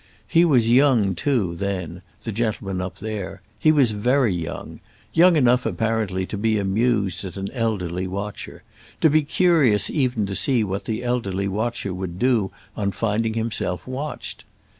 He was young too then, the gentleman up there—he was very young; young enough apparently to be amused at an elderly watcher, to be curious even to see what the elderly watcher would do on finding himself watched.